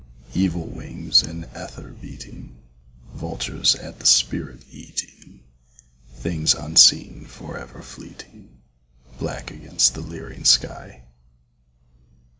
Evil wings in ether beating; Vultures at the spirit eating; Things unseen forever fleeting Black against the leering sky.